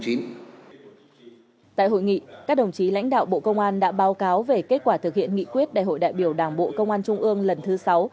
tại hội nghị các đồng chí lãnh đạo bộ công an đã báo cáo về kết quả thực hiện nghị quyết đại hội đại biểu đảng bộ công an trung ương lần thứ sáu